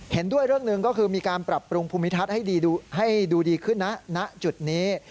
เห็นด้วยเรื่องหนึ่งก็คือมีการปรับปรุงภูมิทัศน์ให้ดูดีขึ้นนะณจุดนี้